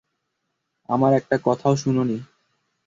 আমার একটা কথাও শুনোনি।